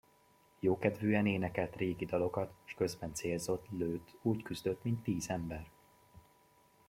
Jókedvűen énekelt régi dalokat, s közben célzott, lőtt, úgy küzdött, mint tíz ember.